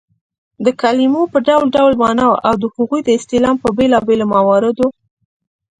د کلیمو په ډول ډول ماناوو او د هغو د استعمال په بېلابيلو مواردو